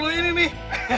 bawah lo ini nih